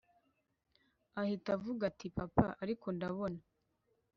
ahita avuga ati papa ariko ndabona